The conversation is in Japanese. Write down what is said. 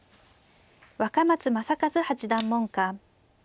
若松政和八段門下。